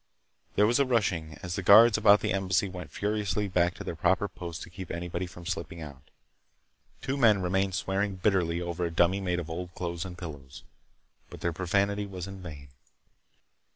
Then there was a rushing, as the guards about the Embassy went furiously back to their proper posts to keep anybody from slipping out Two men remained swearing bitterly over a dummy made of old clothes and pillows. But their profanity was in vain.